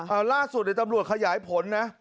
อ่าล่าสุดเนี่ยตำรวจขยายผลนะ